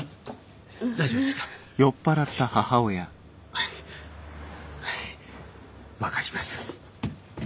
はいはい分かります。